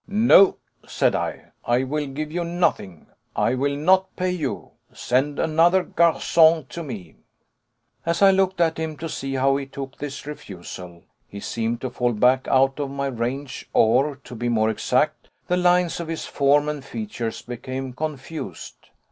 "No," said I, "I will give you nothing. I will not pay you. Send another garçon to me." As I looked at him to see how he took this refusal, he seemed to fall back out of my range, or, to be more exact, the lines of his form and features became confused.